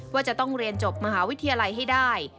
ว่าจะต้องเรียนจบมหาวิทยาลัยให้ได้